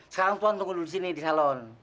sekarang tuhan tunggu dulu di sini di salon